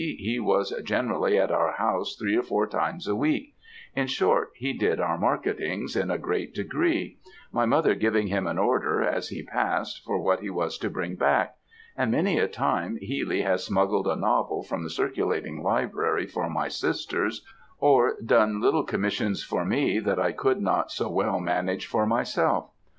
he was generally at our house three or four times a week; in short, he did our marketings, in a great degree; my mother giving him an order, as he passed, for what he was to bring back; and many a time Healy has smuggled a novel from the circulating library for my sisters, or done little commissions for me that I could not so well manage for myself.